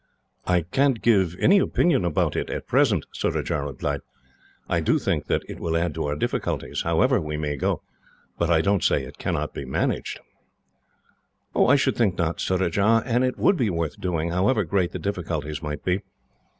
"I can't give any opinion about it, at present," Surajah replied. "I do think that it will add to our difficulties, however we may go, but I don't say it cannot be managed." "I should think not, Surajah, and it would be worth doing, however great the difficulties might be.